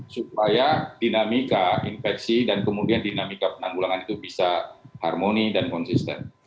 supaya dinamika infeksi dan kemudian dinamika penanggulangan itu bisa harmoni dan konsisten